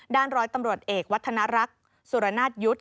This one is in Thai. ร้อยตำรวจเอกวัฒนรักษ์สุรนาศยุทธ์